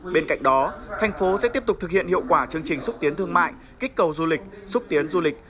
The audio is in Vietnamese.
bên cạnh đó thành phố sẽ tiếp tục thực hiện hiệu quả chương trình xúc tiến thương mại kích cầu du lịch xúc tiến du lịch